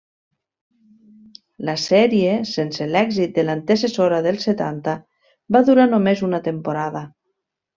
La sèrie, sense l'èxit de l'antecessora dels setanta, va durar només una temporada.